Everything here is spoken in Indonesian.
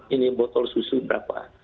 ini botol susu berapa